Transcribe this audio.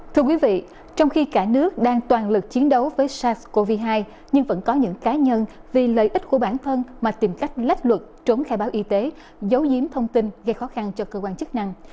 thưa quý vị trong khi cả nước đang toàn lực chiến đấu với sars cov hai nhưng vẫn có những cá nhân vì lợi ích của bản thân mà tìm cách lách luật trốn khai báo y tế giấu giếm thông tin gây khó khăn cho cơ quan chức năng